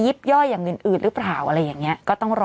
ย่อยอย่างอื่นหรือเปล่าอะไรอย่างนี้ก็ต้องรอ